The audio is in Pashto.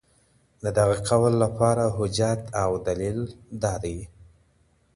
د دغه قول لپاره حجت او دليل دادی.